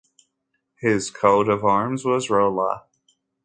His coat of arms was Rola.